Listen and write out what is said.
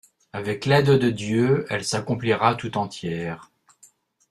Avec l’aide de Dieu, elle s’accomplira tout entière.